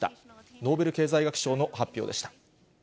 ノーベル経済学賞の発表でした。